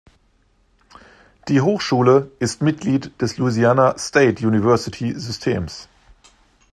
Die Hochschule ist Mitglied des Louisiana-State-University-Systems.